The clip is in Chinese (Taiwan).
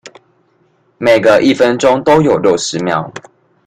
每個一分鐘都有六十秒